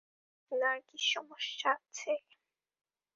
আপনার কি কোনো সমস্যা আছে?